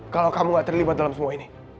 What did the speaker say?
kalau kamu gak terlibat dalam semua ini